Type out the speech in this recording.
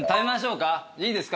いいですか？